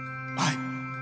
はい。